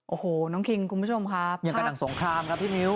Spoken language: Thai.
โอ้โหน้องคิงคุณผู้ชมครับอย่างกับหนังสงครามครับพี่มิ้ว